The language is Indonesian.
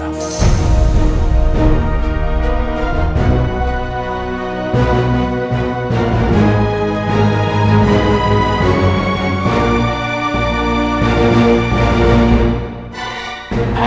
aku tidak bisa